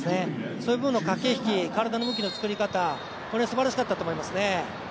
そういう部分の駆け引き体の向きの作り方、これがすばらしかったと思いますね。